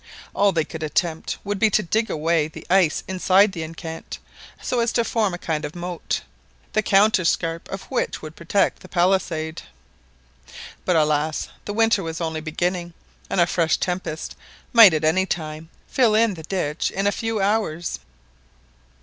All they could attempt would be to dig away the ice inside the enceinte, so as to form a kind of moat, the counterscarp of which would protect the palisade. But alas the winter was only beginning, and a fresh tempest might at any time fill in the ditch a few hours.